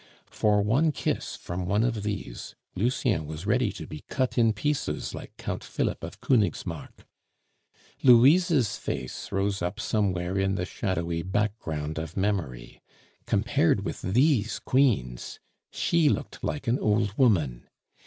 For one kiss from one of these, Lucien was ready to be cut in pieces like Count Philip of Konigsmark. Louise's face rose up somewhere in the shadowy background of memory compared with these queens, she looked like an old woman.